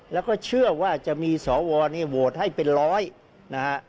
แล้วก็เชื่อว่าจะมีสอวรวันพรุ่งนี้โหวตให้เป็น๑๐๐